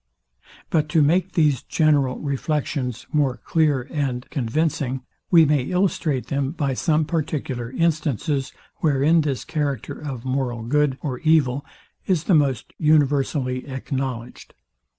But to make these general reflections more clear and convincing, we may illustrate them by some particular instances, wherein this character of moral good or evil is the most universally acknowledged.